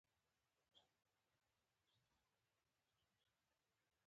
ضربه یي بار د فورمول له مخې محاسبه کیږي